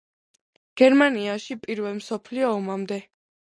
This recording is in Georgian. გერმანიაში პირველ მსოფლიო ომამდე.